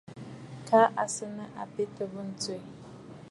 Kaa à sɨ̀ nɨ̂ àbetə̀ bû ǹtswe.